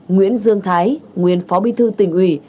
nguyễn dương thái nguyên phó bí thư tỉnh ủy